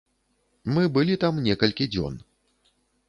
Мы былі там некалькі дзён.